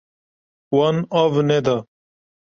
Wan av neda.